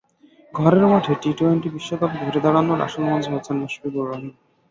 ঘরের মাঠে টি-টোয়েন্ট বিশ্বকাপকেই ঘুরে দাঁড়ানোর আসল মঞ্চ ভাবছেন মুশফিকুর রহিম।